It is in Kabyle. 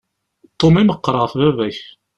Tom i meqqer ɣef baba-k.